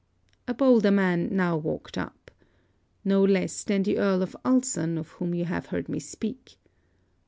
A bolder man now walked up. No less than the Earl of Ulson, of whom you have heard me speak.